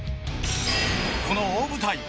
この大舞台